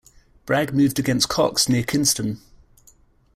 Bragg moved against Cox near Kinston.